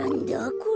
これ。